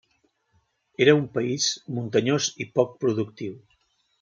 Era un país muntanyós i poc productiu.